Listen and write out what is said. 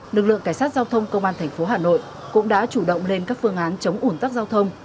lực lượng cảnh sát giao thông công an thành phố hà nội cũng đã chủ động lên các phương án chống ủn tắc giao thông